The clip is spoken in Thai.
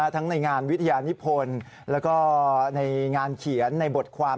ทั้งในงานวิทยานิพลแล้วก็ในงานเขียนในบทความ